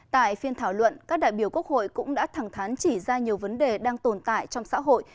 tại phiên thảo luận các đại biểu quốc hội cũng đã thẳng thán chỉ ra nhiều vấn đề đang tồn tại trong xã hội